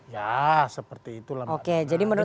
ya seperti itulah oke jadi menurut